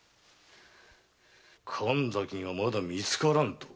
神崎がまだ見つからぬだと？